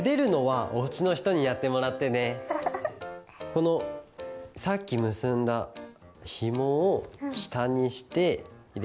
このさっきむすんだひもをしたにしていれていきます。